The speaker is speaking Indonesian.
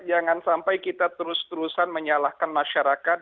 jangan sampai kita terus terusan menyalahkan masyarakat